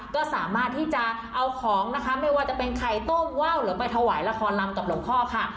ก็สามารถที่จะเอาของนะคะไม่ว่าจะเป็นไข่ต้มว่าวหรือไปถวายละครลำกับหลวงพ่อค่ะ